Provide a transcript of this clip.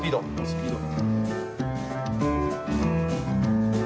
スピード。